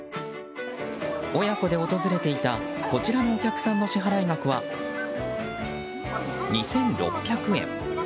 親子で訪れていた、こちらのお客さんの支払額は、２６００円。